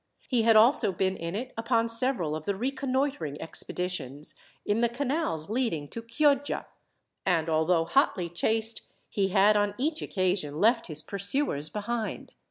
He had also been in it upon several of the reconnoitring expeditions, in the canals leading to Chioggia, and although hotly chased he had, on each occasion, left his pursuers behind.